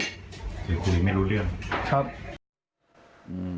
คุยไม่รู้เรื่อง